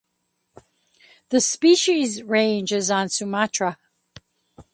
The species range is on Sumatra.